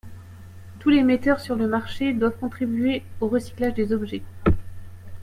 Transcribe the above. Tous les metteurs sur le marché doivent contribuer au recyclage des objets.